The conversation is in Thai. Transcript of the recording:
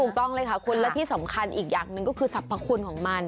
ต้องเลยค่ะคุณและที่สำคัญอีกอย่างหนึ่งก็คือสรรพคุณของมัน